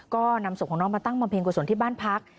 ก็นำศพของน้องมาตั้งบำเพ็งกุศลที่บ้านพัก